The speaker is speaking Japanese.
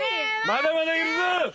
まだまだいるぞ！